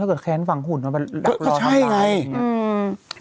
ถ้าเกิดแค้นฝั่งหุ่นเขาไปรับรอตายก็ใช่ไงอืม